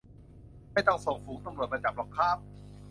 ไม่ต้องส่งฝูงตำรวจมาจับหรอกค้าบ